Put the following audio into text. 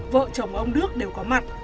vợ chồng ông đức đều có mặt